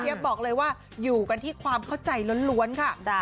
บอกเลยว่าอยู่กันที่ความเข้าใจล้วนค่ะ